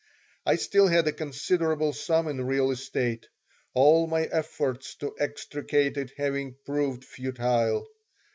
I still had a considerable sum in real estate, all my efforts to extricate it having proved futile.